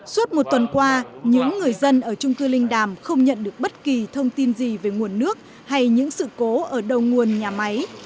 suốt một tuần qua những người dân ở trung cư linh đàm không nhận được bất kỳ thông tin gì về nguồn nước hay những sự cố ở đầu nguồn nhà máy